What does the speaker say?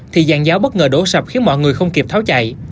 thì giàn giáo bất ngờ đổ sập khiến mọi người không kịp tháo chạy